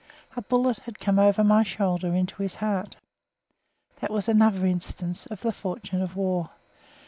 A bullet had come over my shoulder into his heart. That was another instance of the fortune of war.